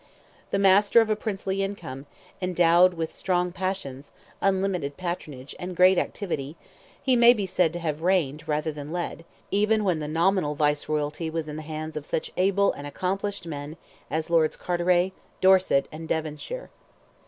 The master of a princely income, endowed with strong passions, unlimited patronage, and great activity, he may be said to have reigned rather than led, even when the nominal viceroyalty was in the hands of such able and accomplished men as Lords Carteret, Dorset and Devonshire.